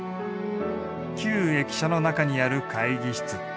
旧駅舎の中にある会議室。